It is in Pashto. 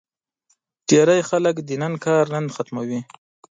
ډېری خلک د نن کار نن ختموي.